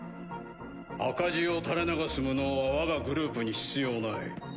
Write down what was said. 赤字を垂れ流す無能は我がグループに必要ない。